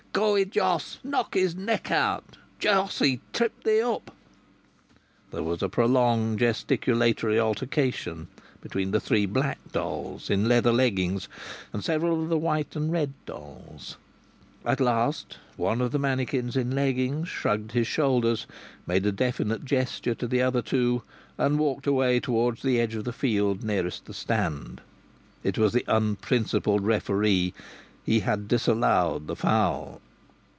"Go it, Jos! Knock his neck out! Jos! He tripped thee up!" There was a prolonged gesticulatory altercation between the three black dolls in leather leggings and several of the white and the red dolls. At last one of the mannikins in leggings shrugged his shoulders, made a definite gesture to the other two, and walked away towards the edge of the field nearest the stand. It was the unprincipled referee; he had disallowed the foul.